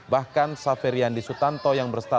bahkan saferiandi sutanto yang berstatus